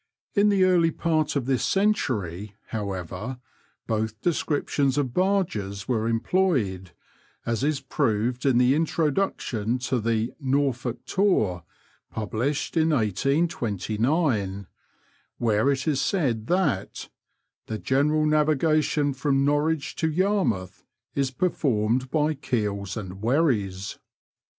In the early part of this century, however^ both descriptions of barges were employed, as is proved in the introduction to the " Norfolk Tour '* (published in 1829), where it is said that " the general navigation from Norwich to Yarmouth is performed by keels and wherries."